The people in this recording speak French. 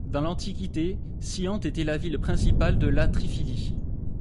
Dans l'Antiquité, Scillonte était la ville principale de la Triphylie.